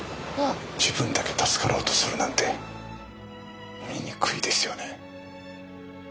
自分だけ助かろうとするなんて醜いですよね。